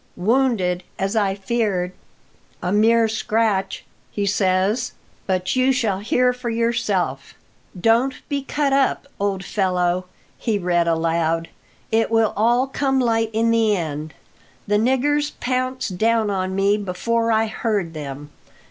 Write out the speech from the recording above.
"Wounded, as I feared a mere scratch, he says but you shall hear for yourself: "'Don't be cut up, old fellow,'" he read aloud, "'it will all come light in the end. The niggers pounced down on me before I heard them.